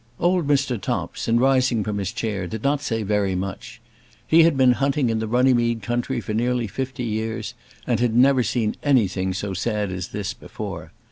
Old Mr. Topps, in rising from his chair, did not say very much. He had been hunting in the Runnymede country for nearly fifty years, and had never seen anything so sad as this before.